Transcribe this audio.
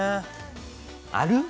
ある？